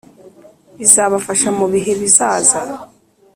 bizabafasha mu bihe bizaza